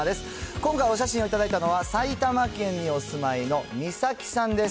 今回、お写真を頂いたのは、埼玉県にお住まいのみさきさんです。